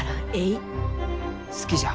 好きじゃ。